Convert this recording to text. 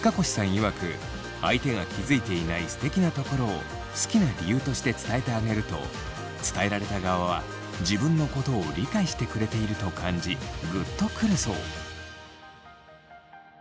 いわく相手が気付いていないすてきなところを好きな理由として伝えてあげると伝えられた側は自分のことを理解してくれていると感じグッとくるそう。